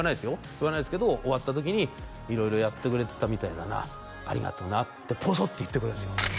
言わないですけど終わった時に「色々やってくれてたみたいだな」「ありがとな」ってボソッて言ってくれるんですよ